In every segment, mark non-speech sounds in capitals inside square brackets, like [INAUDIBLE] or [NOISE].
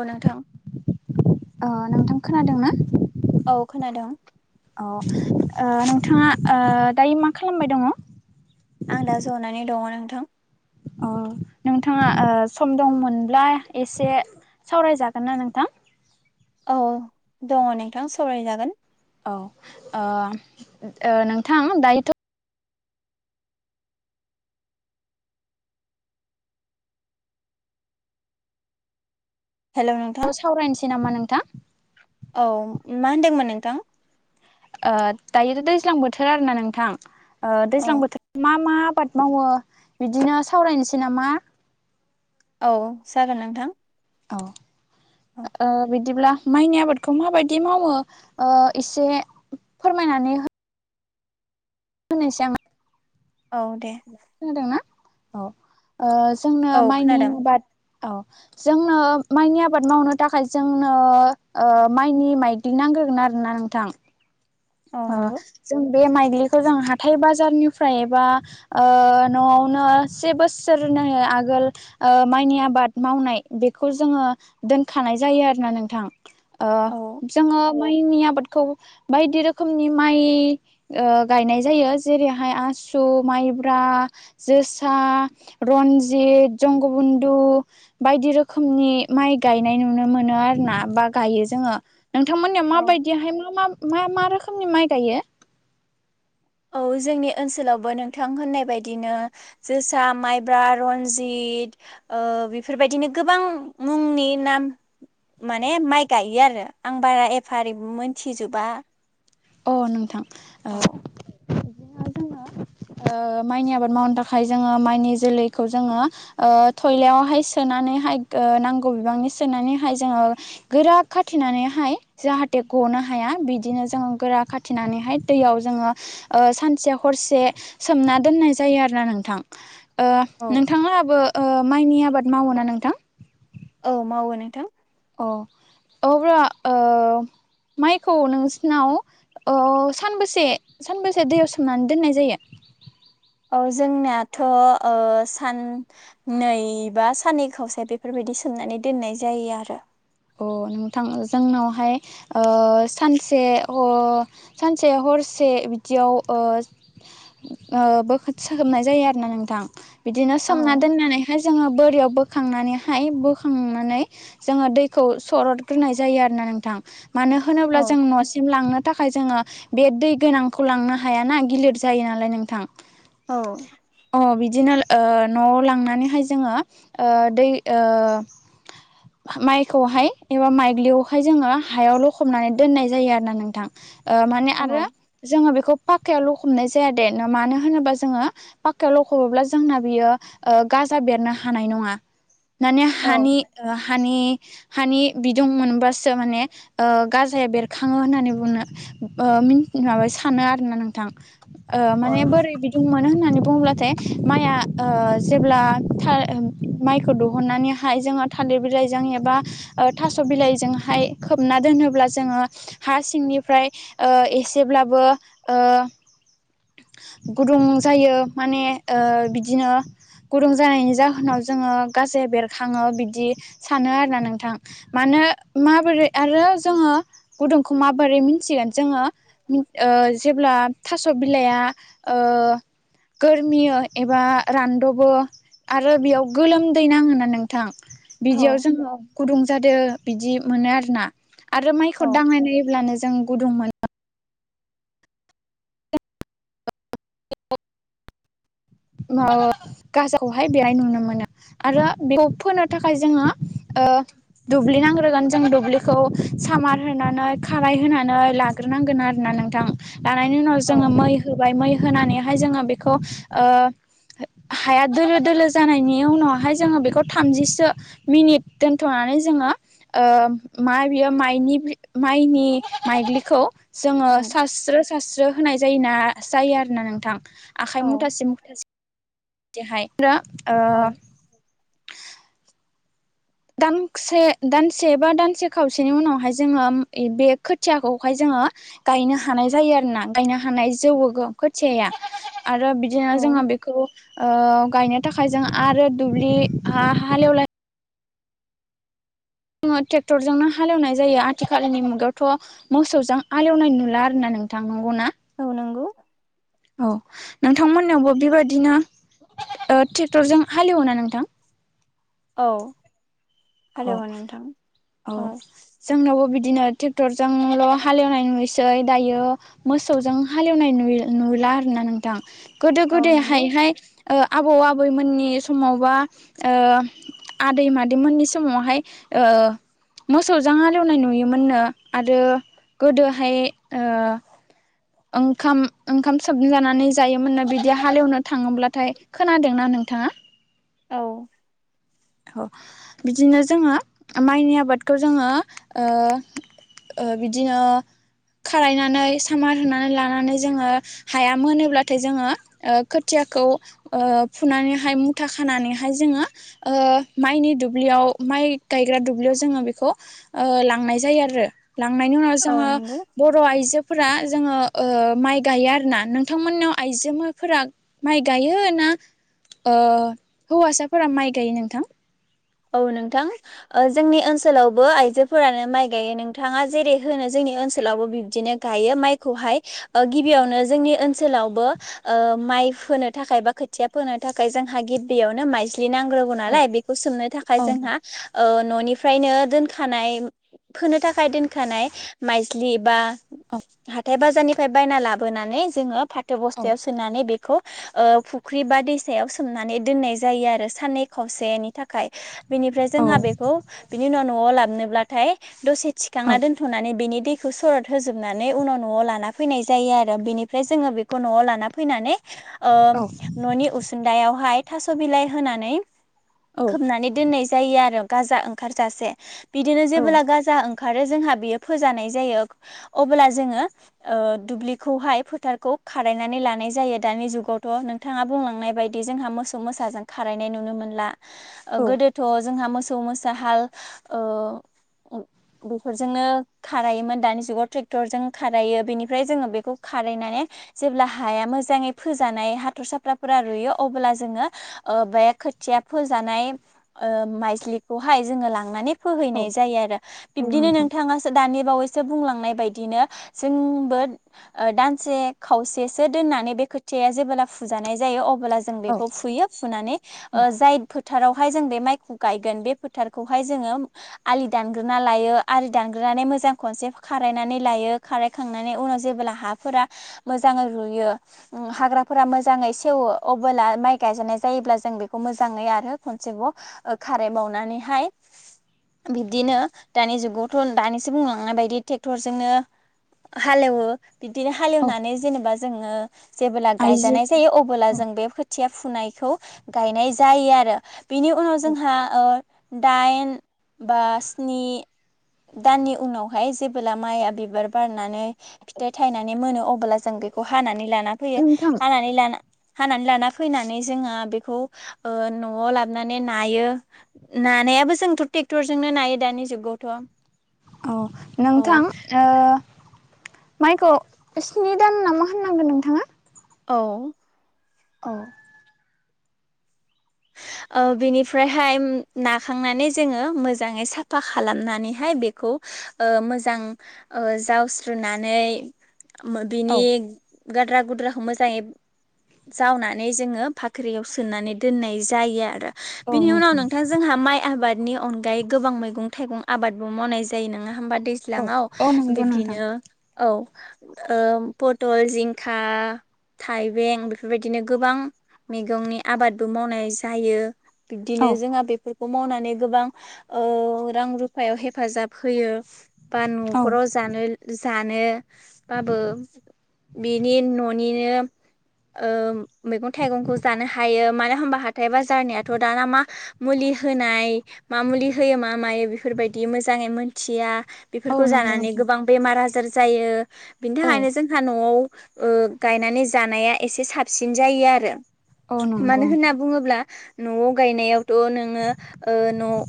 औ नोंथां अ नोंथां खोनादों ना औ खोनादों नोंथाङा दायो मा खालामबाय दङ आं दा जनानै दङ नोंथां अ नोंथाङा ओ सम दंमोनब्ला एसे सावरायजागोन ना नोंथां औ दङ नोंथां सरायजागोन औ ओ ओ नोंथां दायोथ' हेलौ नोंथां सावरायनोसै नामा नोंथां औ मा होनदोंमोन नोंथां ओ दायोथ' दैज्लां बोथोर आरो ना नोंथां ओ दैज्लां औ बोथोराव मा मा आबाद मावो बिदिनो सावरायनोसै नामा औ जागोन नोंथां औ औ ओ बिदिब्ला माइनि आबादखौ माबायदि मावो एसे फोरमायनानै हो [UNINTELLIGIBLE] औ दे खोनादोंना औ जोंनो औ माइनि खोनादों आबाद औ जोंनो माइनि आबाद मावनो थाखाय जोंनो ओ माइनि माइदि ना नांग्रोगोन आरोना नोंथां औ अ नंगौ जों बे माइग्लिखौ जों हाथाय बाजारनिफ्रायबा न'आवनो से बोसोर नि आगोल माइनि आबाद मावनाय बेखौ जोङो दोनखानाय जायो आरोना नोंथां ओ औ जोङो माइनि आबादखौ बायदि रोखोम खोनि माइ ओ गायनाय जायो जेरैहाय आसु माइब्रा ज जोसा रनजित जंग बन्धु बायदि रोखोमनि माइ गाय यनाय नुनो मोनो आरोना बा गायो जोंहा नोंथांमोननियाव औ माबायदिाहाय मा मा मा रोखोमनि माइ गायो औ जोंनि ओनसोलावबो नोंथां होननाय बायदिनो जोसा माइब्रा रनजि त ओ बेफोरबायदिनो गोबां मुंनि नाम माने माइ गायो आरो आं बारा एफाारि मोनथिजोबा अ नोंथां औ बिदिना जोङो ओ माइनि आबाद मावनो थाखाय जोङो माइनि जोलैखौ जोङो ओ थयलायावहाय सोनानै ओ नांगौ बिबांनि सोनानैहाय जोङो गोरा खाथिनानैहाय जाहाथे गनो हा हाया बिदिनो जों गोरा खाथिनानैहाय दैयाव जोङो ओ सानसे हरसे सोमना दोननाय जायो आरो ना नों थां ओ औ नोंथांमोनाबो माइनि आबाद मावो ना नोंथां औ मावो नोंथां अ अब्ला ओ माइखौ नोंसिनाव ओ सानबसे सानबेसे दैयाव सोमनानै दोननाय जायो [INAUDIBLE] औ जोंनाथ' ओ साननै बा साननै खावसे बेफोरबायदि सोमनानै दोननाय जायो आरो अ नोंथां जोंनावहाय ओ सानसे ह सानसे हर से बिदियाव ओ ओ बो खोथि सा हाबनाय जायो आरोना नोंथां बिदिनो औ सोमना दोननानैहाय जोङो बोरियाव बोखांनानैहाय बोखांनानै जोङो दै खौ सरदग्रोनाय जायो आरोोना नोंथां मानो होनोब्ला जों औ न'सिम लांनो थाखाय जोङो बे दै गोनांखौ लांनो हायाना गिलिर जायो नालाय नोंथां औ अ बिदिनो ओ न'आव लांनानैहाय जोङो ओ दै ओ माइखौहाय एबा माइग्लियावहाय जोङो हायाव लखबनानै दोननाय जायो आरो ना नोंथां ओ माने औ आरो जोङो बेखौ पाखायाव लखबनाय जाया देर मानो होनोबा जोङो पाखायाव लखबोब्ला जोंना बियो ग बेरनो हानाय नङा माने हानि ओ हानि हानि बिदुं मोनबासो माने गाजाया बेरखाङो होननानै बुंुनो माब सानो आरोना नोंथां माने बोरै औ बिदुं मोनो होननानै बुंब्लाथाय माइआ जेब्ला माइखौ दिहुननानै हाय जोंहा थ बिलाइबा खोब दोनोब ज ह निफ्राय एसेब्लाबो गुदुं जायो माने बिदिनो गुदुं जानायनि जाहोनाव जोङो गाजै बेरखाङो बि बि सानो आरोना नोंथां म माबोरै आरो जोङो गुदुंखौ माबोरै मिथिगोन जोङो जेब्ला थास' बिलाइया गोरमियो एबा रानदबबो आरो बेयाव गोलोमदै नङोना नोंथां बिदियाव जोङो गुदुं जाद बिदि मोनो आरो ना आरो माइखौ औ दांनायनाय नायब्लानो जों गुदुं मोनो [UNINTELLIGIBLE] म गाजाखौहाय बेहाय नुनो मोनो आरो बेयाव फोनो थाखाय जोङो ज द साम होनानै ख होनानै्रोनांग ोन नोंथां लनि उनाव ज मै होबाय म होनानैहाय जोङो बेखौ हाया दोलो दोलो जानायनि उनावहाय जोङो बेखौ थामजिसो मिनिट दोनथ'ा ज म मनि माइ्लिखौ जोङो सारस्रो सारस्रो होनाय जायो ना जायो आरोोना नोंथां आखाय औ मुथासे मुथासे हाय दां से दानसे बबा दानसे खावसेनि उनावहाय जोङो बे खोथियाखौहाय जोङो गायनो हानाय जायो आरोोना गायनो हानाय जौबो खोथियाया आरो बिदिनो जोङो बेखौ गायनो थाखाय जों आरो दुब्लि हा हालेवलाय जोङो ट्रेक्टरजोंनो हालेवनाय जायो आथिखालनि मुगायावथ' मोसौजों हालेवनाय नुला आरोना नोंथां औ नंगौ औ नोंथ नावबो बेबायादिनो ट्रेक्टरजों हालेवना नोंथां औ औ हालेवो नोंथां औ जोंनावबो बिदि बिदिनो ट्रेक्टर जोंल' हालेवनाय नुसै दायो मोसौजों हालेवनाय नुला दा आरो ना नोंथां गोदो औ गोदाय नंगौ हायहाय आबौ आबैमोननि समाव बा आदै मादैमोननि समावहाय मोसौजों हालेवनाय नुयोमोननो आरो गोदोहाय ओंखाम ओंखाम सोमजानानै जायोमोन न बिदि हालेवनो थाङोब्लाथाय खोनादोंना नों नोंथाङा औ बिदिनो जोङो माइनि आबादखौ जोङो बिदिनो खारायनानै सामार होनानै लानानै जोङो हायामोन होनब्लाथाय जोङो खोथिया मुथाखौ फुनानैहाय मुथा खानानैहाय जोङो माइनि दुब्लियाव माइ गायग्रा दुब्लियाव जोङो बेखौ लांनाय जायो आरो। लांनायनि उनाव औ जोङो नंगौ बर' आइजो फोर जोङो माइ गायो आरोोना नोंथांमोननियाव आइजोफोरा माइ गायो ना। हौवासाफोरा माइ गायो नोंथां। औ नोंथां जोंनि ओनसोलावबो आइजोफोरानो माइ गायो नोंथाङा जेरै होनो जों नि ओनसोलावबो बिदिनो गायो माइखौहाय गिबियावनो जोंनि ओनसोलावबो ओ माइ फोनो थाखाय बा खोथिया फोनो थाखाय जोंहा गिबियावनो माइ ज्लि नांग्रोगौ औ नालाय बेखौ सोमनो थाखाय औ जोंहा नंगौ ओ न'निफ्रायनो दोनखानाय फोनो थाखाय दोनखानाय माइजलि बा औ हाथाय बाजारनिफ्राय बायना लाबोनानै जोङो फाथो औ बस्थायाव सोनानै बे खौ फुख्रि बा दैसायाव सोमनानै दोननाय जायो आरो साननै खावसेनि थाखाय बिनिफ्राय औ जोंहा बेखौ बिनि उनाव न'आव लाबोनोबाथाय दसे औ थिखांना दोन्थ'नानै बिनि दैखौ सरद होजोबनानै उनाव न'आव लाना फैनाय जायो आरो बिनिफ्राय जोङो बेखौ न'आव लाना फैनानै ओ न'नि उसुनदायावहाय थास' बिलाइ होनानै खोबनानै दोननाय जायो आरो गाजा ओंखारजासे बिदिनो औ जेबोब्ला गाजा ओंखारो। जोंहा बेयो‌ फोजानाय जायो अब्ला जोङो दुब्लिखौहाय फोथारखौ खा रायनानै लानाय जायो दानि जुगावथ' नोंथाङा बुंलांनाय बायदि जोंहा मोसौ मोसाजों खारायनाय नुनो मोनला। औ गोदोथ' जोंहा मोसौ मोसा हाल ओ बेफोरजोंनो खारायोमोन दानि जुगाव ट्रेक्टरजों खारायो बेनिफ्राय जोङो बेखौ खारायनानै जेब्ला हाया मोजाङै फोजानाय हाथर साफ्राफोरा रुइयो अब्ला जोङो बे खोथिया फोजानाय ओ माइस्लिखौहाय जोङो लांनानै औ फोहैनाय जायो आरो औ बिब्दिनो नोंथां नोंथाङासो दानि बावैसो बुंलांनाय बायदिनो जोंबो दानसे खावसेसो दोननानै बे खोथियाया जेब्ला फुजानाय‌ जायो अब्ला जों औ बेखौ फुयो फुनानै औ ओ जाय फोथारावहाय जों बे माइखौ गायगोन बे फोथारखौहाय जोङो आलि दानग्रोना लायो आलि दानग्रोनानै मोजां खनसे खारायनानै लायो खारायखांनानै उनाव जेब्ला हाफोरा मोजाङै रुयो हाग्राफोरा मोजाङै सेवो अब्ला माइ गायजानाय जायोब्ला जों बेखौ मोजां जाङै आरो खनसेबाव खारायबावनानैहाय बिब्दिनो दानि जुगावथ' दानिसो बुंलांनाय बायदि ट्रेक्टरजोंनो हालेव बिदिनो औ हालेवनानै जेनेबा जोङो जेबोला आइजो गायजानाय जायो अबोला औ जों बे खोथिया फुनायखौ गायनाय जायो आरो बेनि उनाव औ जोंहा ओ दाइन बा स्नि दाननि उनावहाय जेबोला माइआ बिबार बारनानै फिथाइ थायनानै मोनो अब्ला जों बेखौ हानानै लाना फैयो नोंथां हानानै लाना हानानै लाना फैनानै जोङो बेखौ ओ न'आव लाबोनानै नायो नानायाबो जोंथ' ट्रेक्टरजोंनो नायो दानि जुगावथ' औ औ नोंथां ओ माइखौ स्नि दान नामा होनदोंमोन नोंथाङा? औ औ [INAUDIBLE] औ बिनिफ्रायहाय नाखांनानै जोङो मोजाङै साफा खालामनानैहाय बेखौ ओ मोजां ओ जावस्रोनानै बिनि औ गाद्रा गुद्राखौ मोजाङै जावनानै जोङो बाख्रियाव सोनानै दोननाय जायो आरो बिनि उनाव नोंथां जोंहा माइ आबाद नि अनगायै गोबां मैगं थाइगं आबादबो मावनाय जायो नङा होमबा औ दैज्लाङाव औ नंगौ नोंथां बिदिनो औ ओ पथल जिंखा थाइबें बेफोरबायदिनो गोबां मैगंनि आबादबो मावनाय जा जायो बिब्दिनो औ जोंहा बेफोर मावनानै गोबां ओ रां रुफायाव हेफाजाब होयो बा औ न'खराव जानो जानो बाबो बिनि न'निनो ओ मैगं थाइगंखौ जानो हायो मानो होमबा हााथाइ बाजारनिथ' दाना मा मुलि होनाय मा मुलि होयो मा मायो बेफोर बायदि मोजां मोजाङै मोनथिया औ बेफोरखौ नंगौ जानानै नोंथां गोबां बेमार आजार जायो बिनि औ थाखायनो जोंहा न'आव ओ गायनानै जानाया एसे साबसिन जायो आरो औ नंगौ मानो नोंथां। होनना बुङोब्ला न'आव गायनायावथ' नोङो न'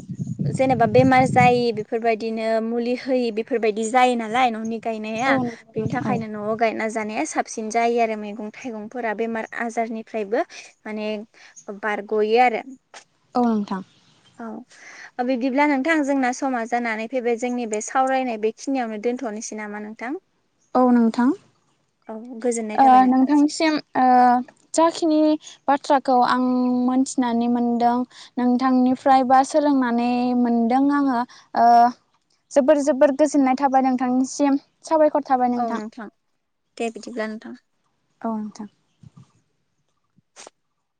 जेनेबा बेमार जायि बेफोर बायदिनो मुलि होयि बेफोर बायदि जायो नालाय न'नि गायनाया औ नंगौ बेनि नोंथां औ थाखायनो न'आव गायना जानाया स साबसिन जायो आरो मैगं थाइगंफोरा बेमार आजारनिफ्रायबो माने बारगयो आरो। औ नोंथां। ओ बिदिब्ला नोंथां जोंना समा जानानै फैबाय जोंनि बे सावरायनाय बेखिनियावनो दोनथ'नोसै नोसै नामा नोंथां औ नोंथां। औ गोजोननाय ओ थाबाय नों नोंथांसिम ओ जाखिनि बाथ्राखौ आं मोनथिनानै मोनदों नोंथांनिफ्राय बा सोलोंनानै मोन दों आङो ओ जोबोर जोबोर गोजोननाय थाबाय नोंथांनिसिम। साबायखर थाबाय औ नोंथां दे बिदिब्ला नोंथां। औ नोंथां